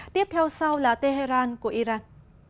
tiếp theo sau là tehran của iran